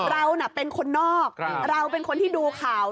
เราเป็นคนนอกเราเป็นคนที่ดูข่าว